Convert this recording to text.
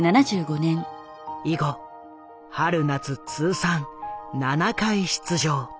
以後春夏通算７回出場。